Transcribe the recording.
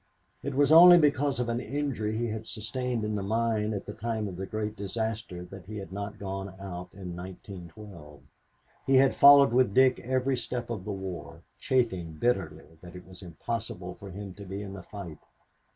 It was only because of an injury he had sustained in the mine at the time of the great disaster that he had not gone out in 1912. He had followed with Dick every step of the war, chafing bitterly that it was impossible for him to be in the fight.